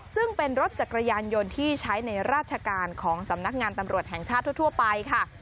ซึ่งเป็นรถจักรยานยนต์ที่ใช้ในราชการของสำนักงานตำรวจแห่งชาติทั่วไปค่ะ